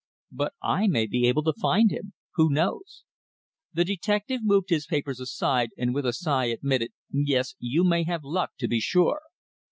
"But I may be able to find him. Who knows?" The detective moved his papers aside, and with a sigh admitted: "Yes, you may have luck, to be sure."